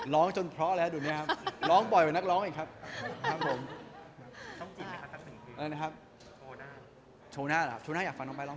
ร้องทุกวันเลยค่ะร้องวันละหลายเพลง